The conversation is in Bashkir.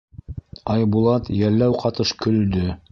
Айбулат йәлләү ҡатыш көлдө: